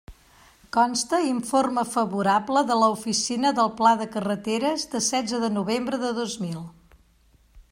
Consta informe favorable de l'Oficina del Pla de Carreteres de setze de novembre de dos mil.